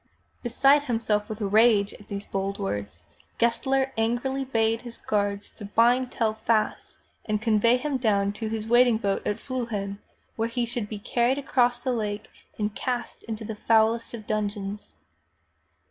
Beside himself with rage at these bold words, Gessler angrily bade his guards to bind Tell fast and convey him down to his waiting boat at Fliihlen, whence he should be carried across the lake and cast into the foulest of dungeons.